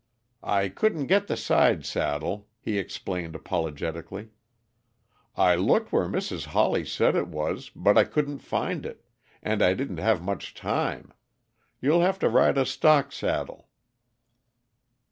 "I couldn't get the sidesaddle," he explained apologetically. "I looked where Mrs. Hawley said it was, but I couldn't find it and I didn't have much time. You'll have to ride a stock saddle."